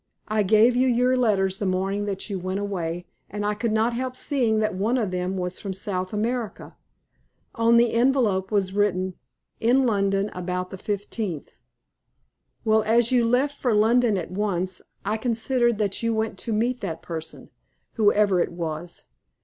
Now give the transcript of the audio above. I gave you your letters the morning that you went away, and I could not help seeing that one of them was from South America. On the envelope was written: 'In London about the 15th.' Well, as you left for London at once, I considered that you went to meet that person, whoever it was.